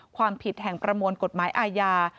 ความผิดแห่งประมวลกฎหมายอาญา